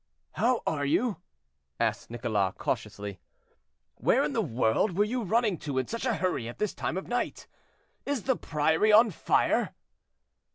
"How are you?" asked Nicholas cautiously. "Where in the world were you running to in such a hurry at this time of night? Is the priory on fire?"